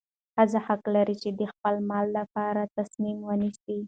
ښځه حق لري چې د خپل مال لپاره تصمیم ونیسي.